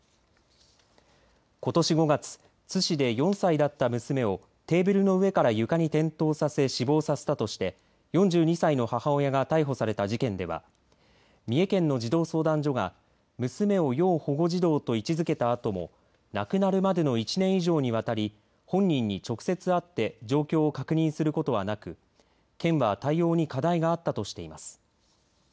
ことし５月津市で４歳だった娘をテーブルの上から床に転倒させ死亡させたとして４２歳の母親が逮捕された事件では三重県の児童相談所が娘を要保護児童と位置づけたあとも亡くなるまでの１年以上にわたり本人に直接会って状況を確認することはなく県は対応に課題があったとしています。